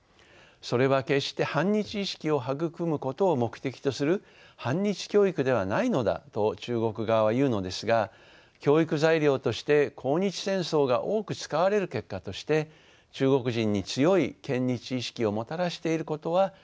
それは決して反日意識を育むことを目的とする反日教育ではないのだと中国側は言うのですが教育材料として抗日戦争が多く使われる結果として中国人に強い嫌日意識をもたらしていることは否めません。